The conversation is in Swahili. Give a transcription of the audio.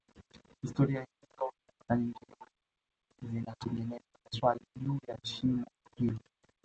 historia hizo na nyingine nyingi zinatengeza maswali juu ya shimo hilo